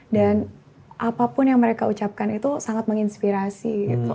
dan apapun yang mereka ucapkan itu sangat menginspirasi